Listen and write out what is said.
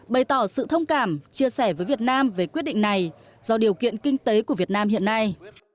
bày tỏ sự thông cảm chia sẻ với việt nam về quyết định này do điều kiện kinh tế của việt nam hiện nay